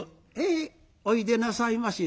「ええおいでなさいまし。